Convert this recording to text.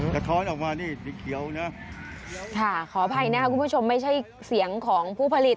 ท้อนออกมานี่สีเขียวนะค่ะขออภัยนะคะคุณผู้ชมไม่ใช่เสียงของผู้ผลิต